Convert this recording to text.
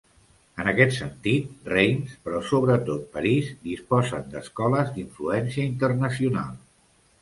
En aquest sentit, Reims, però sobretot París, disposen d'escoles d'influència internacional.